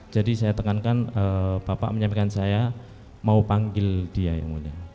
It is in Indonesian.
saya tekankan bapak menyampaikan saya mau panggil dia yang mulia